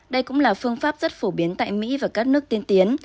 đây cũng là phương pháp rất phổ biến tại mỹ và các nước tiên tiến